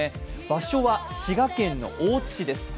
場所は滋賀県の大津市です。